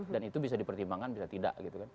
dan itu bisa dipertimbangkan bisa tidak